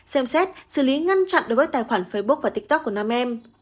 xem xét xử lý ngăn chặn đối với tài khoản facebook và tiktok của nam em